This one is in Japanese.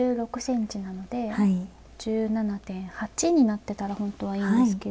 ５６ｃｍなので１７．８になってたらほんとはいいんですけど。